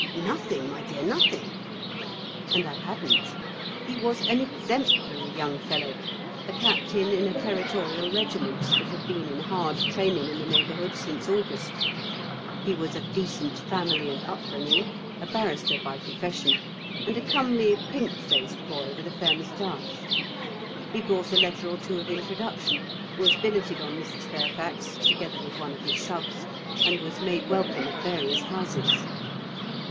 "Nothing, my dear, nothing." And I hadn't. He was an exemplary young fellow, a Captain in a Territorial regiment that had been in hard training in the neighbourhood since August. He was of decent family and upbringing, a barrister by profession, and a comely pink faced boy with a fair moustache. He brought a letter or two of introduction, was billeted on Mrs. Fairfax, together with one of his subs, and was made welcome at various houses.